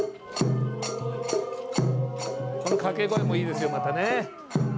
掛け声もいいですよ、またね。